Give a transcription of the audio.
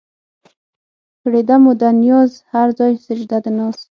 کړېده مو ده نياز هر ځای سجده د ناز